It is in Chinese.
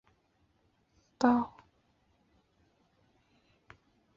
河西街道是中国山东省青岛市市北区下辖的一个街道。